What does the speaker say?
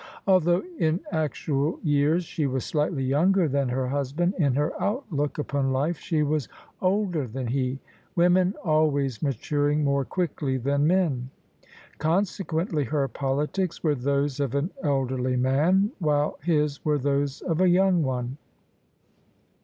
Although in actual years she was slightly yoimger than her husband, in her outlook upon life she was older than he, women always maturing more quickly than men: consequently her politics were those of an elderly man, while his were those of a young one.